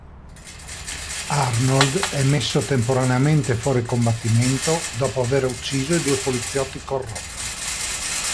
Arnold è messo temporaneamente fuori combattimento dopo aver ucciso i due poliziotti corrotti.